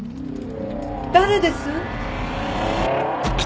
誰です？